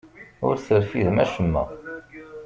Ur terfidem acemma.